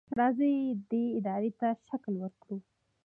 راځئ دې ارادې ته شکل ورکړو.